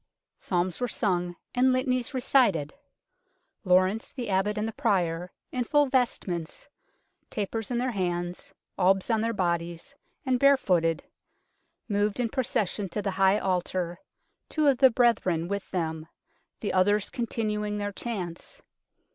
Psalms were sung and Litanies re cited. Lawrence the Abbot and the Prior, in full vestments, tapers in their hands, albs on their bodies, and barefooted, moved in procession to the High Altar, two of the brethren with them, the others continuing their chants.